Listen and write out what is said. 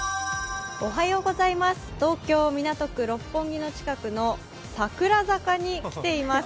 東京・港区六本木の近くのさくら坂に来ています。